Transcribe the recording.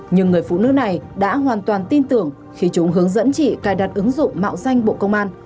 nhưng người phụ nữ này đã hoàn toàn tin tưởng khi chúng hướng dẫn chị cài đặt ứng dụng mạo danh bộ công an